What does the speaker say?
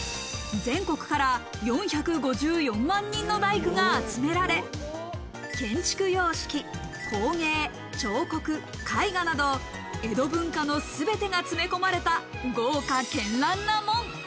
全国から４５４万人の大工が集められ、建築様式、工芸、彫刻、絵画など江戸文化のすべてが詰め込まれた、豪華絢爛な門。